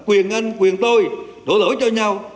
quyền anh quyền tôi đổ lỗi cho nhau